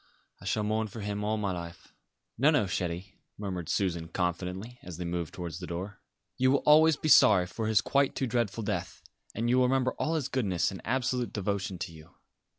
"I shall mourn for him all my life." "No, no, chérie," murmured Susan confidentially, as they moved towards the door. "You will always be sorry for his quite too dreadful death, and you will remember all his goodness and absolute devotion to you.